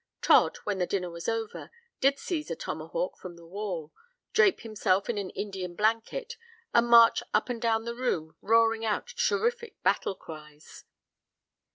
Todd, when the dinner was over, did seize a tomahawk from the wall, drape himself in an Indian blanket, and march up and down the room roaring out terrific battle cries.